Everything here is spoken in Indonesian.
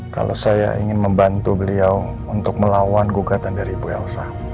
kalau saya ingin membantu beliau untuk melawan gugatan dari ibu elsa